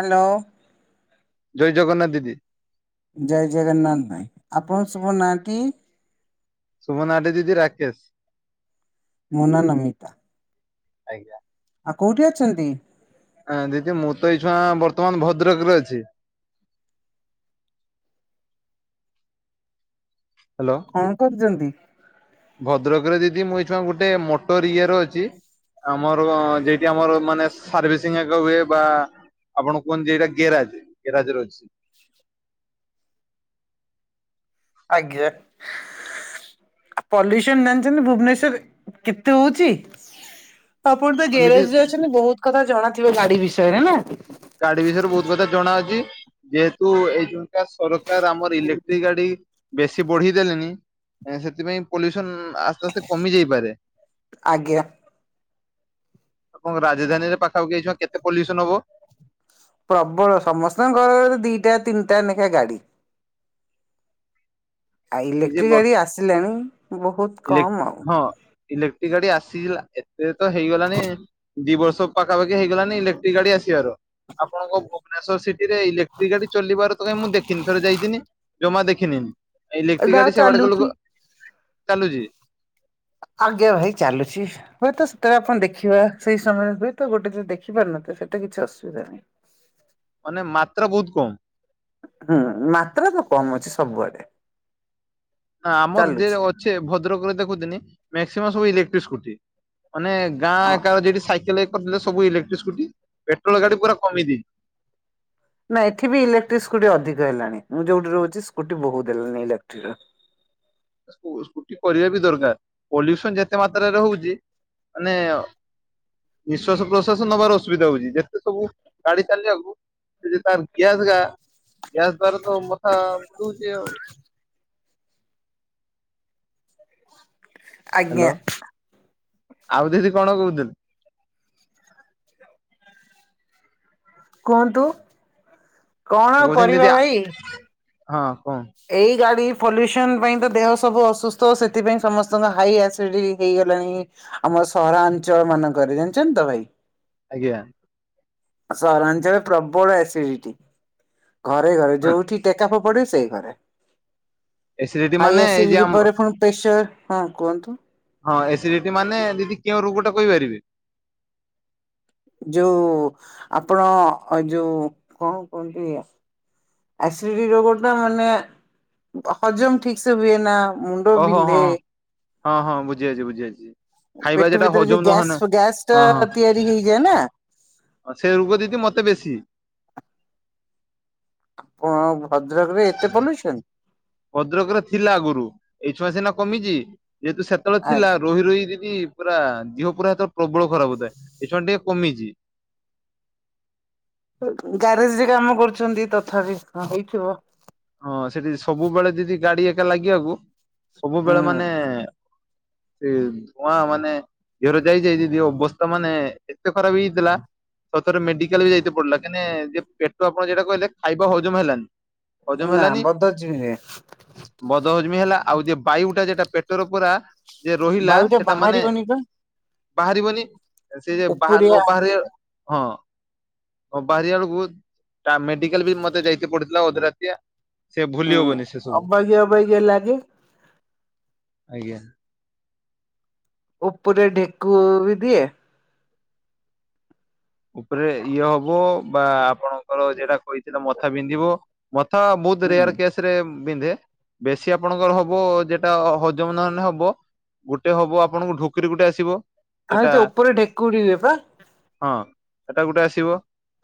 Hello. ଜୟ ଜଗନ୍ନାଥ ଦିଦି। ଜୟ ଜଗନ୍ନାଥ ଭାଇ ଆପଣ ଶୁଭ ନାଆଟି? ଶୁଭ ନାଆଟି ଦିଦି ରାକେଶ। [unintelligible] ଆଜ୍ଞା। ଆଉ କୋଉଠି ଅଛନ୍ତି? ହଁ ଦିଦି ମୁଁତ ଏଇ ଛୁଆ ବର୍ତ୍ତମାନ ଭଦ୍ରକରେ ଅଛି। ହାଲୋ। କଁ କରୁଚନ୍ତି। ଭଦ୍ରକରେ ଦିଦି ମୁଁ ଏଇଛୁଆ ଗୋଟେ ମୋଟର ଇଏର ଅଛି ଆମର ଯଠି ଆମର ମାନେ ସର୍ଭିସିଂ ଏକ ହୁଏ ବା ଆପଣ କୁହନ୍ତି ଏଇଟା ଗେରାଜ୍ ଗେରାଜରେ ଅଛି। ଆଜ୍ଞା। ପଲ୍ୟୁସନ ଜାଣିଚନ୍ତି ଭୁବନେଶ୍୍ୱର କେତେ ହଉଚି? ତଆପଣତ ଦିଦି ଗ୍ୟାରେଜରେ ଅଛନ୍ତି ବହୁତ୍ କଥା ଜଣାଥିବ ଗାଡ଼ି ବିଷୟରେନା। କାଡି ବିଷୟରେ ବହୁତ କଥା ଜଣାଅଛି ଯେହେତୁ ଏଇ ଯୋଉ ଖା ସରକାର ଆମର ଇଲେକ୍ଟ୍ରି ଗାଡି ବେଶୀ ବଢି ଦେଲେଣିି ସେଥିପାଇଁ ପଲ୍ୟୁସନ ଆସ୍ତେ ଆସ୍ତେ କମି ଯାଇପାରେ। ଆଜ୍ଞା ଆପଣଙ୍କ ରାଜଧାନୀରେ ପାଖା ପାକ୍ଷୀ ଏଇଖା କେତେ ପଲ୍ୟୁସନ ହବ? ପ୍ରବଳ ସମସ୍ତଙ୍କ ଘର ଘରେ ଦିଟା ତିନିଟା ଲେଖା ଗାଡି। ଆଉ ଏଇ ଯେ ଇଲେକ୍ଟ୍ରି ବର୍ଷ ଗାଡି ଆସିଲାଣି ବହୁତ୍ କମ୍ ଆଉ। ଇଲେକ୍ଟ୍ରି ଗାଡି ଆସି ଏତେ ତ ହେଇଗଲାଣି। ଦି ବର୍ଷ ପାଖାପାଖି ହେଇଗଲାନି ଇଲେକ୍ଟ୍ରି ଗାଡି ଆସିବାର ଆପଣଙ୍କ ଭୁବନେଶ୍ୱର ସିଟି ରେ ଇଲେକ୍ଟ୍ରି ଗାଡି ଚଲିବ ତ କାଇଁ ମୁଁ ଦେଖିନି ଥରେ ଯାଇଥିଲିନି ଜମା ଦେଖିନି। ଇ ଏଇଟା ଗାଡି ସେ ବାଟେ ଗଲେ ଚାଲୁଛି। କଣ ଚାଲୁଛି [unintelligible] ଆଜ୍ଞା ଭାଇ ଚାଲୁଛି। ହୁଏତ ସେତଟା ଆପଣ ଦେଖିବା ସେଇ ସମୟରେ ହୁଏତ ଗୋଟେ ଯ ଦେଖିପାରୁ ନଥିଲେ ସେଇଟା କିଛି ଅସୁବିଧା ନାହିଁ। ମାନେ ମାତ୍ର ବହୁତ୍ କମ୍। ହୁଁ, ମାତ୍ରା ତ କମ ଅଛି ସବୁଆଡେ। ନା ଆମର ଯେ ଚାଲୁଛି ଅଛେ ଭଦ୍ରକରେ ଦେଖୁଥିଲି ମ୍ୟାକ୍ସିମମ୍ ସବୁ ଇଲେକ୍ଟ୍ରିକ ସ୍କୁଟି ମାନେ ଗାଁ ହଁ। ଏକ ଯଉଠି ସାଇକେଲ କରିଥିଲେ ସବୁ ଇକ୍ଟ୍ରଟି ସ୍କୁଟି ପେଟ୍ରୋଲ ଗାଡି ପୁରା କମେଇ ଦେଇଛି। ନା ଏଠି ଇଲେକ୍ଟ୍ରି ସ୍କୁଟି ଅଧିକ ହେଲାଣି ମୁଁ ଯୋଉଠି ରହୁଛି ସ୍କୁଟି ବହୁତ ହେଲାଣି ଇଲେକ୍ଟ୍ରିର। ସ୍କୁଟି କରିବା ବି ଦରକାର ପଲ୍ୟୁସନ ଯେତେ ମାତ୍ରାରେ ହଉଛି ମାନେ ନିଶ୍ଵାସ ପ୍ରଶ୍ୱାସ ସବୁ ନେବାରେ ଅସୁବିଧା ହଉଛି ଯେତେ ସବୁ ଗାଡି ଚାଲିବାକୁ ସେ ତାର ଗ୍ୟାସ ଗା ଗ୍ୟାସ ଦ୍ଵାରା ତ ମଥା ବୁଲଛି ଆଉ। ହାଲୋ ଆଜ୍ଞା ଆଉ ଦଦି କଣ କହୁଛନ୍ତି? କୁହନ୍ତୁ। କଣ ଆଉ କହୁଛନ୍ତି କରିବା ଦିଦି ଭାଇ। ହଁ କୁହନ୍ତୁ। ଏଇ ଗାଡି ପଲ୍ୟୁସନ ପାଇଁ ତ ଦେହ ସବୁ ଅସୁସ୍ଥ ସେଥିପାଇଁ ସମସ୍ତଙ୍କ ହାଇ ଆସିଡି ହେଇଗଲାଣି। ଆମ ସହରାଞ୍ଚଳ ମାନଙ୍କରେ ଜାଣିଚନ୍ତୀ ତ ଭାଇ। ଆଜ୍ଞା। ସହରାଞ୍ଚଳରେ ପ୍ରବଳ ଆସିଡିଟି ଘରେ ଘରେ ଯୋଉଠି ଟେକା ଫୋପାଡିବ ସେଇ ଘରେ। ଏସିଡିଟି ହାଇ ମାନେ ଏଇ ଯେ ଆସିଡିଟି ଆମ ପରେ ପୁଣି ପ୍ରେସର ହଁ କୁହନ୍ତୁ। ହଁ, ଏସିଡିଟି ମାନେ ଦିଦି କେଉଁ ରୋଗ ଟା କହିପାରିବେ। ଯୋଉ ଆପଣ ଯୋଉ କଣ କୁହନ୍ତି ଇଏ। ଆସିଡିଟି ରୋଗ ଟା ମାନେ ହଜମ ଠିକ୍ ସେ ହୁଏନା ଓହୋ ହଁ, ହଁ, ହଁ ବୁଝି ଅଛି ବୁଝି ଅଛି। ଖାଇବା ପେଟ ଯେଟା ଭିତରେ ଯୋଉ ହଜମ ନହେ ଗ୍ୟାସ୍ ନା ଗ୍ୟାସ୍ ଟା ହଁ, ତିଆରି ହେଇଯାଏ ନା ହଁ। ଅଛେ ରୋଗ ଦିଦି ମତେ ବେଶୀ ଆପଣ ଭଦ୍ରକରେ ଏତେ ପଲୁସନ୍। ଭଦ୍ରକ ରେ ଥିଲା ଆଗରୁ ଏଇ ଛୁଆଁ ସିନା କମିଚି ଯେହେତୁ ସେ ଯେତେବେଳେ ଥିଲା ଆଚ୍ଛା ରୋହି ରୋହି ଦିଦି ପୁରା ଦେହ ପୁରା ସେତେବେଳେ ପ୍ରବଳ ଖରାପ ହୋଉଥାଏ ଏଇଖୁଣା ଟିକେ କମିଚି। ଗ୍ୟାରେଜ ରେ କାମ କରୁଛନ୍ତି ତଥାପି ହଁ ହେଇଥିବ। ହଁ, ସେଠି ସବୁବେଳେ ଦିଦି ଗାଡି ଏକା ଲାଗିଆକୁ ହୁଁ ସବୁବେଳେ ମାନେ ସେ ଧୂଆଁ ମାନେ ଗିଅର ଯାଇଯାଇ ଯିଦି ଅବସ୍ଥା ମାନେ ଏତେ ଖରାପ ହେଇଥିଲା ସତରେ ମେଡିକାଲ ବି ଯାଇତେ ପଡିଲା କାଇଁନେ ପେଟ ଆପଣ ଯେଟା କଇଲେ ଖାଇବା ହଜମ ହେଲାନି। ନା ବଦ ଅଜମି ରେ। ବଦହଜମି ହେଲା ଆଉ ଯ ବାୟୁ ଟା ଯେଟା ପେଟର ପୁରା ଯ ରହିଲା ବାୟୁ ଟା ସେଟା ମାନେ ବାହାରିବନି ବା ବାହାରିବନି ସେ ଯେ ବାହା ଉପରିଆ ନ ବାହାରିବାର ହଁ, ନ ବାହାରି ବାରୁ ବହୁତ୍ ମେଡିକାଲ୍ ବି ମତେ ଯାଇତେ ପଡିଥିଲା ଅଧ ରାତିଆ କେ ହୁଁ ଭୁଲି ହବନି ସେ ସବୁ ଅବାଗିଆ ଅବାଗିଆ ଲାଗେ ଆଜ୍ଞା। ଉପରେ ଡେକୁ ବି ଦିଏ। ଉପରେ ଇଏ ହବ ବା ଆପଣଙ୍କର ଯଟା କହିଥିଲେ ମଥା ବିନ୍ଧିବ। ମଥା ବହୁତ ହୁଁ ରେୟାର କେସ ରେ ବିନ୍ଧେ ବେଶୀ ଆପଣଙ୍କର ହବ ଯେଟା ହଜମ ନ ହେଲେ ହବ। ଗୋଟେ ହବ ଆପଣଙ୍କୁ ଢୋକିରି ଗୋଟେ ଆସିବ। ଆଇ ଯେଟା ତ ଉପରେ ଢେକୁଡି ହୁଏ ପା। ହଁ ସେଟା ଗୋଟେ ଆସିବ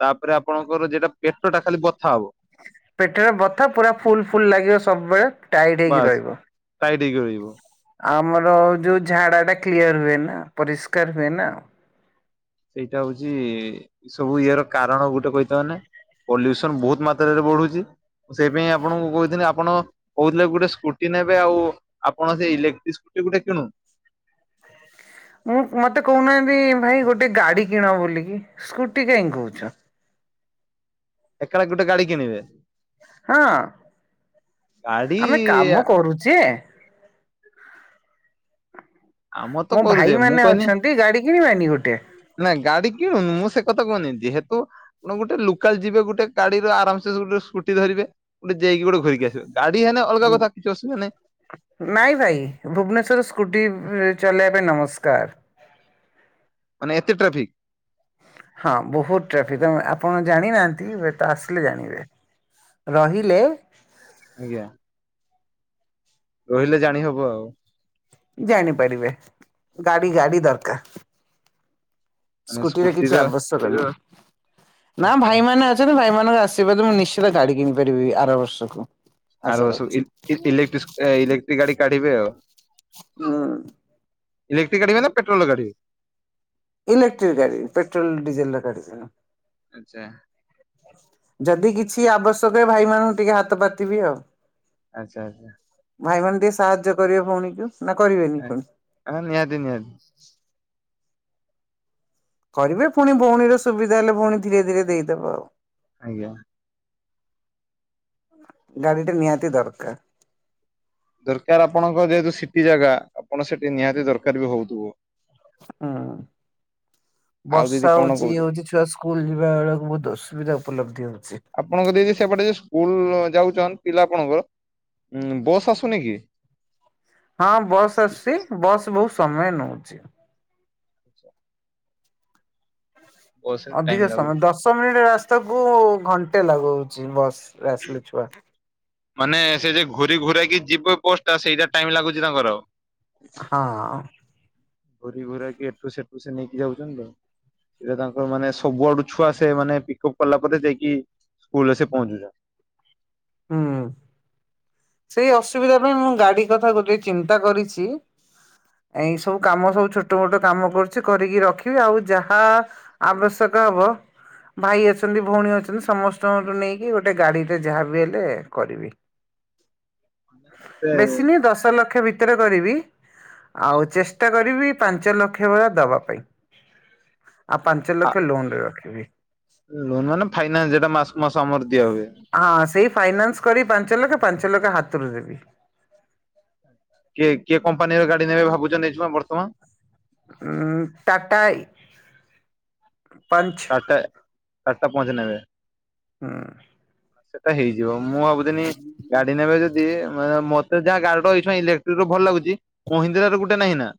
ତାପରେ ଆପଣଙ୍କର ଯଟା ପେଟ ଟା ଖାଲି ବଥା ହବ। ପେଟରେ ବଥା ପୁରା ଫୁଲ ଫୁଲ ଲାଗିବ ସବୁବେଳେ। ଟାଇଡ ହେଇକି ବାସ୍ ରହିବ। ଟାଇଟ୍ ହେଇକି ରହିବ। ଆମର ଯୋଉ ଝାଡା ଟା କ୍ଲିୟର ହୁଏ ନା ପରିଷ୍କାର ହୁଏ ନା। ସେଇଟା ହଉଛି ଏ ସବୁ ଇଏ ର କାରଣ ଗୋଟେ କହିଥେ ମାନେ ପଲ୍ୟୁସନ ବହୁତ ମାତ୍ରାରେ ବଢୁଚି ସେଇପାଇଁ ଆପଣଙ୍କୁ କହିଥିଲି ଆପଣ କହୁଥିଲେ ଗୋଟେ ସ୍କୁଟି ନେବେ ଆଉ ଆପଣ ସେଇ ଇଲେକ୍ଟ୍ରିକ ସ୍କୁଟି ଗୋଟେ କିଣୁ ମୁଁ ମତେ କହୁନାହାନ୍ତି ଭାଇ ଗୋଟେ ଗାଡି କିଣ ବୋଲିକି ସ୍କୁଟି କାଇଁ କହୁଚ। ଏକାଳେ ଗୋଟେ ଗାଡି କିଣିବେ। ହଁ ଗାଡି ଆମେ କାମ କରୁଚେ। ଆମର ତ ମୋ କରୁଛେ ଭାଇ ମାନେ ଅଛନ୍ତି ଗାଡି କିଣିବେନି ଗୋଟେ। ନାଁ ଗାଡି କିଣୁନୁ ମୁଁ ସେ କଥା କହୁନି ଯେହେତୁ ଗୋଟେ ଲୋକାଲ ଯିବେ ଗୋଟେ ଗାଡି ର ଆରାମସେ ଗୋଟେ ସ୍କୁଟି ଧରିବେ ଗୋଟେ ଯାଇକି ଗୋଟେ ଧରିକି ଆସିବେ। ଗାଡି ହେନେ ଅଲଗା କଥା କିଛି ଅସୁବିଧା ନାଇ। ନାଇଁ ଭାଇ ଭୁବନେଶ୍ବର ରେ ସ୍କୁଟି ଚଲେଇବା ପାଇଁ ନମସ୍କାର। ମାନେ ଏତେ ଟ୍ରାଫିକ। ହଁ ବହୁତ ଟ୍ରାଫିକ୍ ଆପଣ ଜାଣିନାହାନ୍ତି ହୁଏ ତ ଆସିଲେ ଜାଣିବେ। ରହିଲେ ଆଜ୍ଞା। ରହିଲେ ଜାଣି ହବ ଆଉ। ଜାଣିପାରିବେ ଗାଡି ଗାଡି ଦରକାର। ମାନେ ସ୍କୁଟିରେ କିଛି ସ୍କୁଟିର ଆବଶ୍ୟକ ନା ଆଚ୍ଛା ଭାଇମାନେ ଅ ଯେବେ ଭାଇମାନଙ୍କ ଆଶର୍ବାଦ ମୁଁ ନିଶ୍ଚିତ ଗାଡି କିଣିପାରିବି ଆର ବର୍ଷକୁ। ଆର ଆଶା କରୁଛି ବର୍ଷକୁ ଇ ଇଲେ ସୁ ଇଲେକ୍ଟ୍ରିକ ଗାଡି କାଢିବେ ଆଉ। ହୁଁ। ଇଲେକ୍ଟି କାଢ଼ିବେ ନା ପେଟ୍ରୋଲ କାଢ଼ିବେ? ଇଲେକ୍ଟ୍ରିକ୍ ଗାଡିବି ପେଟ୍ରୋଲ ଡିଜେଲ ରେ ଗାଡିବିନି। ଆଚ୍ଛା। ଯଦି କିଛି ଆବଶ୍ୟକ ଏ ଭାଇ ମାନଙ୍କୁ ଟିକେ ହାତ ପାତିିବି ଆଉ। ଆଚ୍ଛା ଆଚ୍ଛା। ଭାଇମାନୋନ ଟିକେ ସାହାଯ୍ୟ କରିବେ ଭଉଣୀକୁ ନା କରିବେନି ପୁଣି ହଁ ନିହାଦି ନିହାଦି। କରିବେ ପୁଣି ଭଉଣୀର ସୁବିଧା ହେଲେ ଭଉଣୀ ଧୀରେ ଧୀରେ ଦେଇଦବ ଆଉ। ଆଜ୍ଞା। ଗାଡି ଟା ନିହାତି ଦରକାର। ଦରକାର ଆପଣଙ୍କ ଯେହେତୁ ସିଟି ଜାଗା ଆପଣ ସେଠି ନିହାତି ଦରକାର ବି ହଉଥିବ। ହଁ। ଆଉ ଦିଦି ବର୍ଷା କଣ ହଉଛି କହୁଛ ଇ ହଉଛି ଛୁଆ ସ୍କୁଲ ଯିବା ବେଳକୁ ବହୁତ ଅସୁବିଧା ଉପଲବ୍ଧ ହଉଛି। ଆପଣଙ୍କ ଦିଦି ସେପଟେ ଯ ସ୍କୁଲ ଯାଉଛନ୍ ପିଲା ଆପଣଙ୍କର ଉ ବସ୍ ଆସୁନି କି? ହଁ ବସ୍ ଆସୁଚି ବସ୍ ବହୁତ ସମୟ ନଉଚି। ବସ୍ ରେ ଟାଇମ୍ ଅଧିକ ଲାଗୁ ସମୟ ଦଶ ମିନିଟ ରାସ୍ତାକୁ ଘଣ୍ଟେ ଲାଗଉଚି ବସରେ ଆସିଲେ ଛୁଆ ଟା ମାନେ ସେ ଯଉ ଘୁରୀ ଘୁରାକି ଯିବ ପୋଷ୍ଟ ଟା ସେଇଟା ଟାଇମ ଲାଗୁଛି ତାଙ୍କର ହଁ। ଘୋରି ଘୁରା କିି ଏଠୁ ସେଠୁ ସେ ନେଇକି ଯାଉଛନ୍ତି ଆଉ ସେ ତାଙ୍କର ମାନେ ସବୁଆଡୁ ଛୁଆ ସେମାନେ ପିକଅପ୍ କଲା ପରେ ଯାଇକି ସ୍କୁଲ ରେ ସେ ପହଁଚୁଛନ୍ତି। ହୁଁ ଉଁ ସେଇ ଅସୁବିଧା ପାଇଁ ମୁଁ ଗାଡି କଥା ଗୋଟେ ଚିନ୍ତା କରିଚି ଏଇସବୁ କାମ ସବୁ ଛୋଟମୋଟ କାମ କରୁଚି କରିକି ରଖିବି ଆଉ ଯାହା ଆବଶ୍ୟକ ହବ ଭାଇ ଅଛନ୍ତି ଭଉଣୀ ଅଛନ୍ତି ସମସ୍ତଙ୍କଠୁ ନେଇକି ଗୋଟେ ଗାଡିଟରେ ଯାହାବି ହେ ଲେ କରିବି ସେ ବେଶୀ ନୁହେଁ ଦଶ ଲକ୍ଷ ଭିତରେ କରିବି ଆଉ ଚେଷ୍ଟା କରିବି ପାଞ୍ଚ ଲକ୍ଷ ଭଳିଆ ଦବା ପାଇଁ ଆଉ ପାଞ୍ଚ ଆ ଲକ୍ଷ ଲୋନରେ ରଖିବି। ଲୋନ୍ ମାନେ ଫାଇନାନ୍ସ ଜଉଟା ମାସ କୁ ମାସ ଆମର ଦିଆ ହୁଏ। ହଁ ସେଇ ଫାଇନାନ୍ସ କରିବି ପାଞ୍ଚ ଲକ୍ଷ ପାଞ୍ଚ ଲକ୍ଷ ହାତରୁ ଦେବି। କିଏ କିଏ କମ୍ପାନୀର ଗାଡି ନେବେ ଭାବୁଚନ୍ତି ବର୍ତ୍ତମାନ? ଉ ଟାଟାଇ ପଞ୍ଚ [unintelligible] ଆଟା ପହଂଚିନି ଏବେ ହୁଁ। ସେଟା ହେଇଯିବ ମୁଁ ଭାବୁଥିନି ଗାଡି ନେବେ ଯଦି ମାନେ ମତେ ଯାହା ଗାଡି ଟା ଏଇଁ ଇଲେକ୍ଟ୍ରିକ ରୁ ଭଲ ଲାଗୁଚି ମହହିନ୍ଦ୍ରା ର ଗୋଟେ ନାହିଁ ନା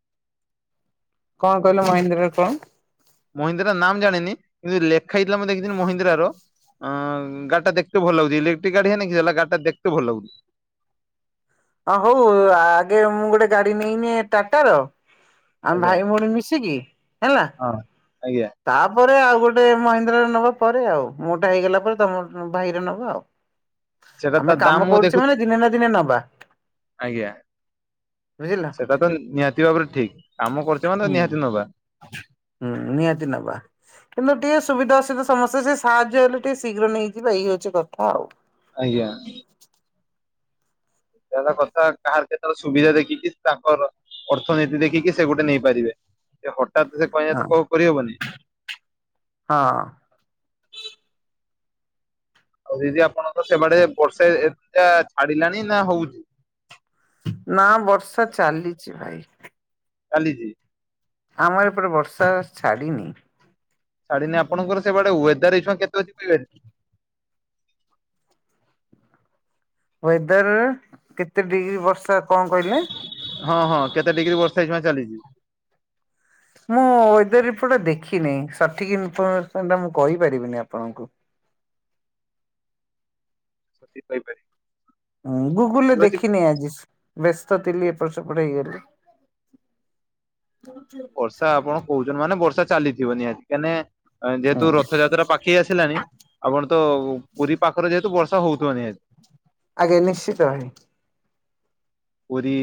କଣ କହିଲ ମହେନ୍ଦ୍ରା ରେ କଣ? ମହିନ୍ଦ୍ରାର ନାମ ଜାଣିନି କିନ୍ତୁ ଲେଖା ହେଇଥିଲା ମୁଁ ଦେଖିଥିଲି ମହିନ୍ଦ୍ରା ର ଅଁ ଗଡିଟା ଦେଖତେ ଭଲ ଲାଗୁଛି ଇକ୍ଟ୍ରିକ ଗାଡି ହେଲେ କିସ ହେଲା ଗାଡ଼ିଟା ଦେଖତେ ଭଲ ଲାଗୁ ହଁ ହଉ ଆଗେ ମୁଁ ଗୋଟେ ଗାଡି ନେଇନି ଟାଟ ର ଆମେ ଆଚ୍ଛା। ଭାଇ ଭଉଣୀ ମିଶିକି ହେଲା ହଁ। ଆଜ୍ଞା ତାପରେ ଆଉ ଗୋଟେ ମହିନ୍ଦ୍ରାରେ ନବା ପରେ ଆଉ ମୋଟା ହେଇଗଲା ପରେ ତମ ଭାଇରେ ନବା ଆଉ। ସେଟା ତା ଆମେ ଦାମ କାମ ମୁଁ ଦେଖୁ କରୁଚେ ମାନେ ଦିନେ ନା ଦିନେ ନବା। ଆଜ୍ଞା। ବୁଝିଲ ସେଟା ତ ନିହାତି ଭାବରେ ଠିକ କାମ କରୁଚେ ମାନେ ତ ହୁଁ ନିହାତି ନବା ହୁଁ ନିହାତି ନବା। କିନ୍ତୁ ଟିକେ ସୁବିଧା ଅସୁବଧା ସମସ୍ତେ ସେ ସାହାଯ୍ୟ ହେଲେ ଟିକେ ଶୀଘ୍ର ନେଇଯିବ ଏଇ ହଉଚି କଥା ଆଉ ଆଜ୍ଞା। କଥା କାହାର କେତେବେଳ ସୁବିଧା ଦେଖିକି ତାଙ୍କର ଅର୍ଥନୀତି ଦେଖିକି ସେ ଗୋଟେ ନେଇପାରିବେ ସେ ହଠାତ୍ ସେ କହିବା ହଁ ତ କରିହବନି ହଁ। ଆଉ ଦିଦି ଆପଣଙ୍କ ସେ ବାଡେ ବର୍ଷା ଏଟା ଛାଡିଲାଣି ନା ହଉଜି? ନା ବର୍ଷା ଚାଲିଚି ଭାଇ। ଚାଲିଛି। ଆମର ଏପଟେ ବର୍ଷା ଛାଡ଼ିନି। ଛାଡିନି ଆପଣଙ୍କ ସେଆଡେୱେଦର [unintelligible] କେତେ ଅଛି [unintelligible] ୱେଦର କେତେ ଡିଗ୍ରୀ ବର୍ଷା କଣ କହିଲେ। ହଁ ହଁ କେତେ ଡିଗ୍ରୀ ବର୍ଷା [unintelligible] ଚାଲିଛି। ମୁଁ ୱେଦର ରିପୋର୍ଟ ଦେଖିନି ସଠିକ ଇନଫର୍ମସ ଟା ମୁଁ କହିପାରିବିନି ଆପଣଙ୍କୁ। [unintelligible] ହୁଁ ଗୁଗୁଲରେ ଠିକ ଅଛି ଦେଖିନି ଆଜି। ବ୍ୟସ୍ତ ଥିଲି ଏପଟ ସେପଟ ହେଇଗଲି। ବର୍ଷା ଆପଣ କହୁଛନ୍ତି ମାନେ ବର୍ଷା ଚାଲିଥିବ ନିହାତି କେନେ। ହୁଁ ଯେହେତୁ ରଥଯାତ୍ରା ପାଖେଇ ଆସିଲାନି ଆପଣ ତ ପୁରୀ ପାଖରେ ଯେହେତୁ ବର୍ଷା ହଉଥିବ ନିହାତି। ଆଜ୍ଞା ନିଶ୍ଚିତ ପୁରୀ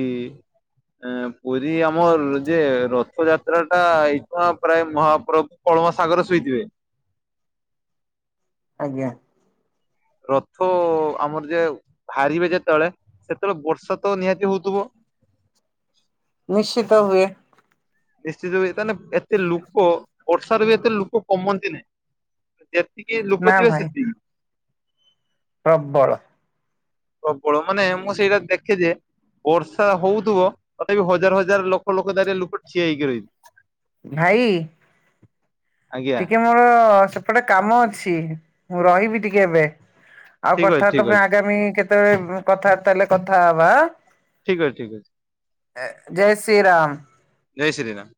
ଏ ପୁରୀ ଆମର ଯେ ରଥଯାତ୍ରା ଟା ଏଇଠୁ ପ୍ରାୟ ମହାପ୍ରଭୁ। କଳମା ସାଗରରେ ଶୋଇଥିବେ। ଆଜ୍ଞା। ରଥ ଆମର ଯେ ବାହାରିବେ ଯେତେବେଳେ ସେତେବେଳେ ବର୍ଷା ତ ନିହାତି ହଉଥିବ। ନିଶ୍ଚିତ ହୁଏ। ନିଶ୍ଚିତ ତାନେ ଏତେ ଲୋକ ବର୍ଷାରେ ବି ଏତେ ଲୋକ କମନ୍ତି ନାଇଁ ଏତେ ଯେତିକି ନା ଲୋକ ଥିବେ ଭାଇ ସେତିକି। ପ୍ରବଳ। ପ୍ରବଳମାନେ ମୁଁ ସେଇଟା ଦେଖେ ଯେ ବର୍ଷା ହଉଥିବ ତଥାପି ହଜାର ହଜାର ଲୋକ ଲୋକ ଧାର ଲୋକ ଠିଆ ହେଇକି ରହିିବେ। ଭାଇ ଆଜ୍ଞା ଟିକେ ମୋର ସେପଟେ କାମ ଅଛି ମୁଁ ରହିବି ଟିକେ ଏବେ। ଆଉ ଠିକ ଅଛି ଠିକ କଥାବାର୍ତ୍ତା ପାଇଁ ଅଛି ଆଗାମୀ କେତେବେଳେ କଥାବାର୍ତା ହେଲେ କଥା ହବା ଆଁ ଠିକ ଅଛି। ଜୟ ଶ୍ରୀ ରାମ। ଜୟ ଶ୍ରୀରାମ।